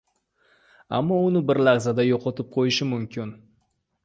ammo uni bir lahzada yo‘qotib qo‘yish mumkin.